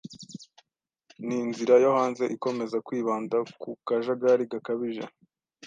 Ninzira yo hanze ikomeza kwibanda ku kajagari gakabije